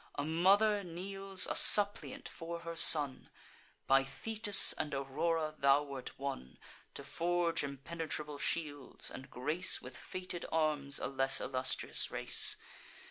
A mother kneels a suppliant for her son. By Thetis and Aurora thou wert won To forge impenetrable shields, and grace With fated arms a less illustrious race.